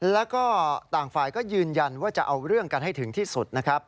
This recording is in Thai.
แล้วก็ต่างฝ่ายก็ยืนยันว่าจะเอาเรื่องกันให้ถึงที่สุดนะครับ